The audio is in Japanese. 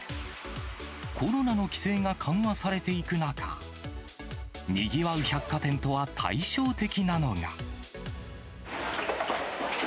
コロナの規制が緩和されていく中、にぎわう百貨店とは対照的なのが。